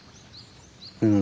うん。